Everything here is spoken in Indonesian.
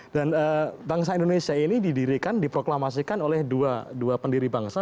dan bangsa indonesia ini didirikan diproklamasikan oleh dua pendiri bangsa